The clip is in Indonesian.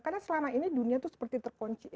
karena selama ini dunia itu seperti terkunci